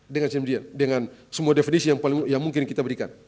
dengan semua definisi yang mungkin kita berikan